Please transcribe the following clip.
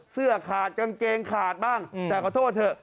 เสื้อขาดกางเกงขาดบ้างแต่ขอโทษเถอะ